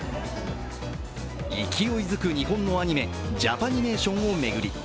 勢いづく日本のアニメジャパニメーションを巡り